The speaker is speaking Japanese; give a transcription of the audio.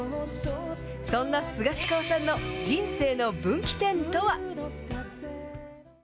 そんなスガシカオさんの人生の分岐点とは。